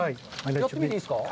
やってみていいですか。